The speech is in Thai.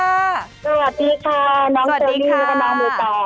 สวัสดีค่ะน้องเซอร์ดีน้องหมูตอง